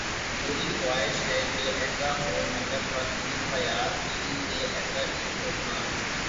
میری خواہش ہے کہ ایسا ہو مگر قرین قیاس یہی کہ ایسا نہیں ہو گا۔